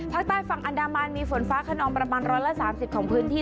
ภาคใต้ฝั่งอันดามานมีฝนฟ้าคนนร้อยละ๓๐ของพื้นที่